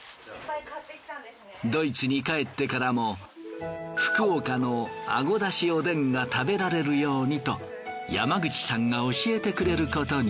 ドイツに帰ってからも福岡のあご出汁おでんが食べられるようにと山口さんが教えてくれることに。